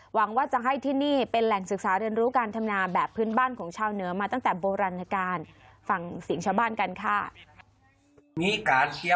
หวังว่าจะให้ที่นี่เป็นแหล่งศึกษาเรียนรู้การธรรมนาแบบพื้นบ้านของชาวเหนือมาตั้งแต่โบราณการธรรมนา